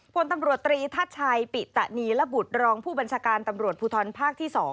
พลตำรวจตรีทัชชัยปิตะนีระบุตรรองผู้บัญชาการตำรวจภูทรภาคที่๒